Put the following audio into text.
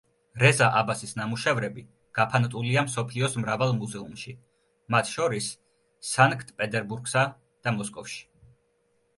რეზა აბასის ნამუშევრები გაფანტულია მსოფლიოს მრავალ მუზეუმში, მათ შორის სანქტ-პეტერბურგსა და მოსკოვში.